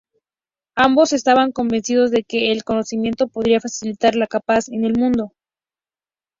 Ambos estaban convencidos de que el conocimiento podría facilitar la paz en el mundo.